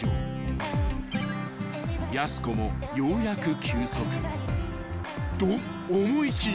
［やす子もようやく休息と思いきや］